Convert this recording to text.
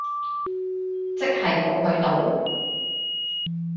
即係冇去到？